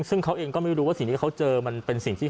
ซึ่งเขาเองก็ไม่รู้ว่าสิ่งที่เขาเจอ